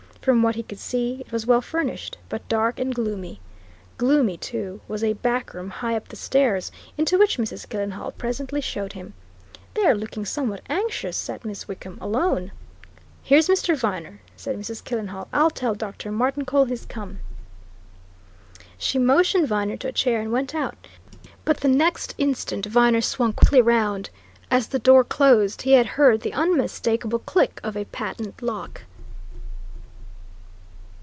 From what he could see, it was well furnished, but dark and gloomy; gloomy, too, was a back room, high up the stairs, into which Mrs. Killenhall presently showed him. There, looking somewhat anxious, sat Miss Wickham, alone. "Here's Mr. Viner," said Mrs. Killenhall. "I'll tell Dr. Martincole he's come." She motioned Viner to a chair and went out. But the next instant Viner swung quickly round. As the door closed, he had heard the unmistakable click of a patent lock.